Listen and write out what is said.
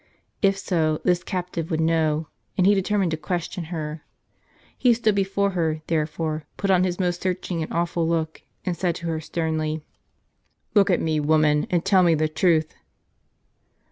If so, this captive would know, and he determined to question her. He stood before her, therefore, put on his most searching and awful look, and said to her sternly, " Look at me, woman, and tell me the truth."